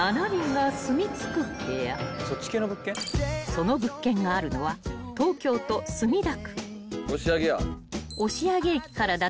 ［その物件があるのは東京都墨田区］